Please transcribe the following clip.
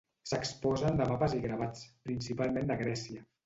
S'exposen de mapes i gravats, principalment de Grècia.